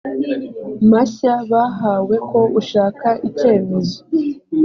mashya bahawe ko ushaka icyemezo